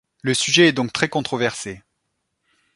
Le sujet est donc très controversé.